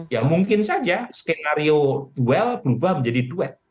ya mungkin saja skenario duel berubah menjadi duet